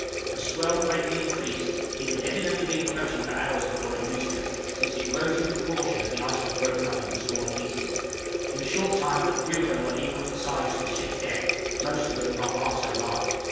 The swell greatly increased; it had evidently been approaching for hours before it reached us, since it rose in proportion as the ice was broken up into smaller pieces. In a short time but few of them were equal in size to the ship's deck; most of them not half so large.